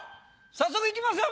早速いきますよ